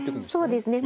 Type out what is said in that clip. そうですね。